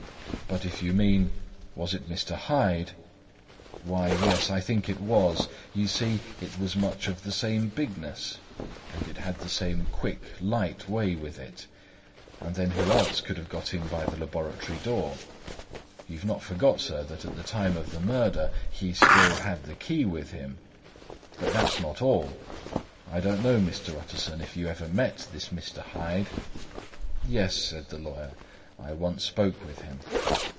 "But if you mean, was it Mr. Hyde?—why, yes, I think it was! You see, it was much of the same bigness; and it had the same quick, light way with it; and then who else could have got in by the laboratory door? You have not forgot, sir, that at the time of the murder he had still the key with him? But that's not all. I don't know, Mr. Utterson, if you ever met this Mr. Hyde?" "Yes," said the lawyer, "I once spoke with him."